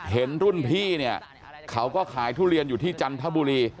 เห็นรุ่นพี่เนี่ยเขาก็ขายทุเรียนอยู่ที่จันทบุรี